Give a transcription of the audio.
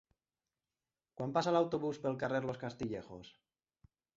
Quan passa l'autobús pel carrer Los Castillejos?